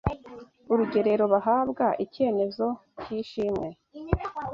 urugerero bahabwa icyemezo cy’Ishimwe